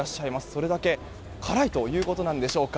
それだけ辛いということなんでしょうか。